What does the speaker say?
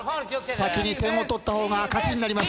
先に点を取った方が勝ちになります。